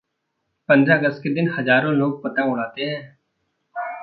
पंद्रह अगस्त के दिन हज़ारों लोग पतंग उड़ातें हैं।